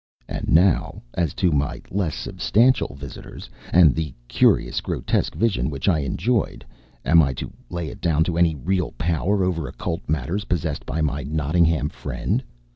And now as to my less substantial visitors, and the curious grotesque vision which I had enjoyed am I to lay it down to any real power over occult matters possessed by my Nottingham friend?